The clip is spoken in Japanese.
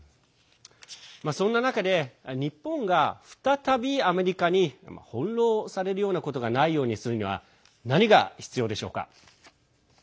そんな中で日本が再びアメリカに翻弄されるようなことがないようにするには何が必要でしょうか？